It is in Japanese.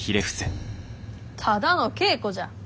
ただの稽古じゃ。